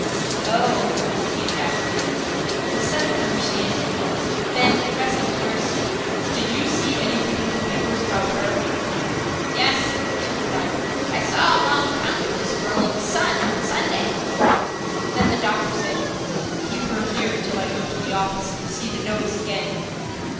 "Oh!" he ejaculated, with sudden understanding–then, addressing the nurse: "Did you see anything in the papers about her?" "Yes," she replied, "I saw a long account of this girl in the Sun on Sunday." Then the doctor said: "Keep her here until I go to the office and see the notice again."